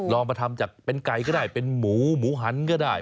ลองมาทำจากเป็นไก่ก็ได้เป็นหมูหมูหันก็ได้